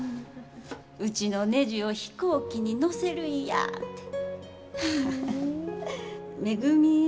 うちのねじを飛行機に乗せるんやって。